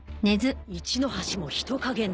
一の橋も人影なし。